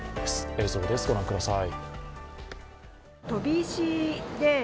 映像です、ご覧ください。